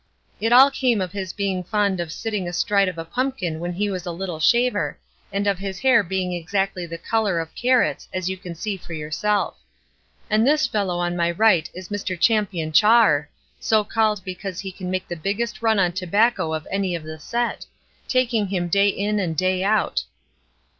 It all came of his being fond of sitting astride of a pumpkin when he was a little shaver, and of his hair being exactly the color of carrots as you can see for yourself. And this fellow on my right is Mr. Champion Chawer, so called because he can make the biggest run on tobacco of any of the set, taking him day in and day out.